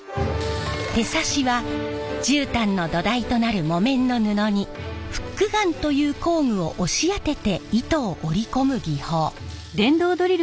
手刺しは絨毯の土台となる木綿の布にフックガンという工具を押し当てて糸を織り込む技法。